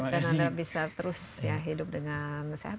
dan anda bisa terus hidup dengan sehat